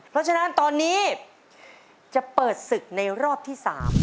เพราะฉะนั้นตอนนี้จะเปิดศึกในรอบที่๓